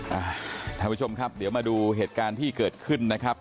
ท่านผู้ชมครับเดี๋ยวมาดูเหตุการณ์ที่เกิดขึ้นนะครับ